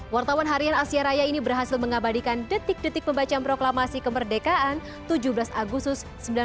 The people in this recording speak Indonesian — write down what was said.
wartawan harian asia raya ini berhasil mengabadikan detik detik pembacaan proklamasi kemerdekaan tujuh belas agustus seribu sembilan ratus empat puluh lima